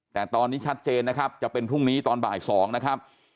แต่ตอนนี้ชัดเจนนะครับจะเป็นพรุ่งนี้ตอนบ่าย๒นะครับ